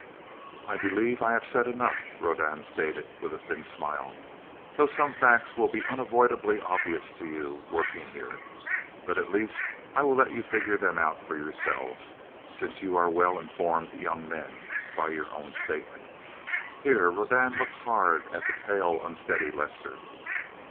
"I believe I have said enough," Rodan stated with a thin smile. "Though some facts will be unavoidably obvious to you, working here. But at least I will let you figure them out for yourselves, since you are well informed young men, by your own statement." Here Rodan looked hard at the pale, unsteady Lester.